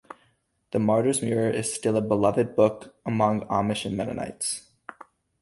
The "Martyrs Mirror" is still a beloved book among Amish and Mennonites.